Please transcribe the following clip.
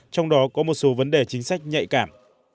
trong đó có một số vấn đề chính sách nhạy cảm